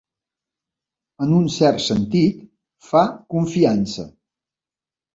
En un cert sentit, fa confiança.